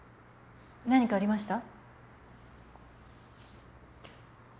何かありました？